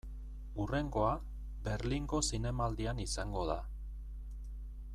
Hurrengoa, Berlingo Zinemaldian izango da.